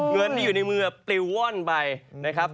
เงินที่อยู่ในมือปลิวว่อนไปนะครับ